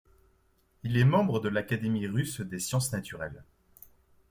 Il est membre de l'Académie russe des sciences naturelles.